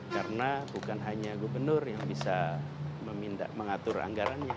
karena bukan hanya gubernur yang bisa mengatur anggarannya